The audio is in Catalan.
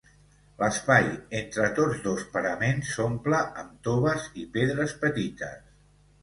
L'espai entre tots dos paraments s'omple amb toves i pedres petites.